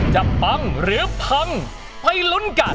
ปังหรือพังไปลุ้นกัน